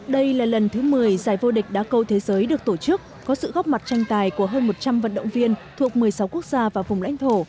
đây là lần thứ một mươi giải vô địch đá cầu thế giới được tổ chức có sự góp mặt tranh tài của hơn một trăm linh vận động viên thuộc một mươi sáu quốc gia và vùng lãnh thổ